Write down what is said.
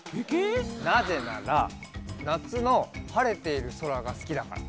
なぜならなつのはれているそらがすきだから。